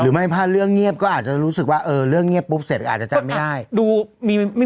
ไม่ถ้าเรื่องเงียบก็อาจจะรู้สึกว่าเออเรื่องเงียบปุ๊บเสร็จอาจจะจำไม่ได้